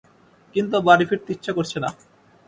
কিন্তু বাড়ি ফিরতে ইচ্ছে করছে না।